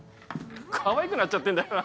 かわいくなっちゃってんだよな。